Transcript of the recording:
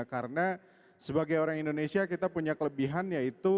karena sebagai orang indonesia kita punya kelebihan yaitu budaya